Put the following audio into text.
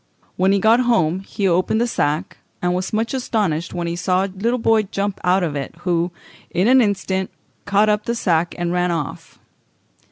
When he got home he opened the sack, and was much astonished when he saw a little boy jump out of it, who, in an instant, caught up the sack and ran off.